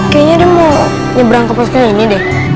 kayaknya ada yang mau nyeberang ke posisinya ini deh